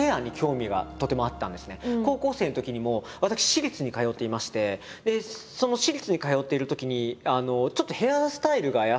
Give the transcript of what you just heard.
まず高校生のときにもう私私立に通っていましてその私立に通っているときにちょっとそれがまあ